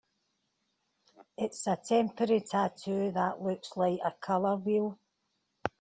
It's a temporary tattoo that looks like... a color wheel?